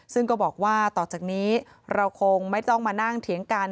ซึ่งก็บอกว่าต่อจากนี้เราคงไม่ต้องมานั่งเถียงกัน